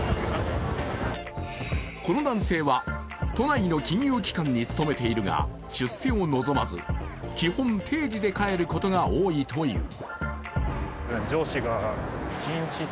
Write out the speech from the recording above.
この男性は都内の金融機関に勤めているが出世を望まず、基本、定時で帰ることが多いという。